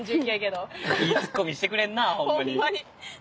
いいツッコミしてくれんなホンマに。